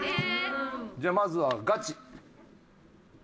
じゃあまずはガチ。